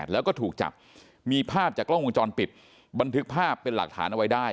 แล้วก็ถูกจับมีภาพจากกล้องวงจรปิดบันทึกภาพเป็นหลักฐานเอาไว้ได้